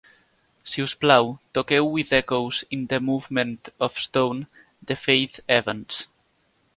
Si us plau, toqueu With Echoes In The Movement Of Stone, de Faith Evans.